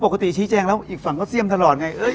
ปกติชี้แจงแล้วอีกฝั่งก็เสี่ยงทุกที